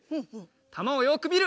たまをよくみる！